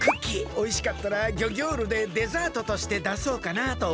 おいしかったらギョギョールでデザートとしてだそうかなとおもってるんだけど。